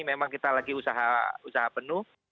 memang kita lagi usaha penuh